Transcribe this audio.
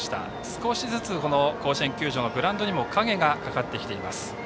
少しずつ甲子園球場のグラウンドにも影がかかってきています。